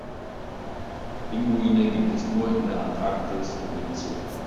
Pinguine gibt es nur in der Antarktis und im Zoo.